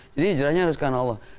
jadi hijrahnya harus karena allah